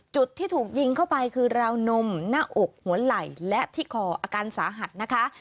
จุดที่ถูกยิงเข้าไปคือราวนมหน้าอกหัวไหล่และที่คออาการสาหัสนะคะ